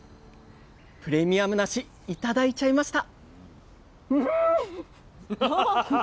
プレミアムなし頂いちゃいました！